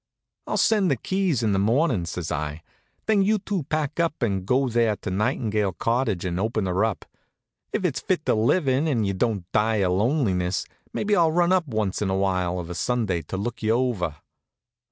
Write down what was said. "I'll send the keys in the mornin'," says I. "Then you two pack up and go out there to Nightingale Cottage and open her up. If it's fit to live in, and you don't die of lonesomeness, maybe I'll run up once in a while of a Sunday to look you over."